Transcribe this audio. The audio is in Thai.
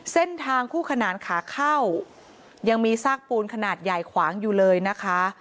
เส้นทางคู่ขนานขาเข้ายังมีซากปูนขนาดใหญ่ขวางอยู่เลยนะคะ